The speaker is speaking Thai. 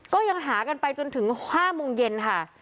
ก็ยังหากันไปจนถึง๕โมงเย็นค่ะ